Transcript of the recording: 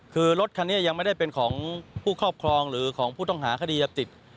คือรถคันนี้ยังไม่ได้เป็นของผู้ครอบครองหรือของผู้ต้องหาคดีจะติด